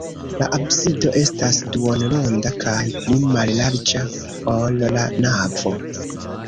La absido estas duonronda kaj pli mallarĝa, ol la navo.